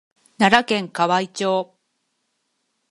奈良県河合町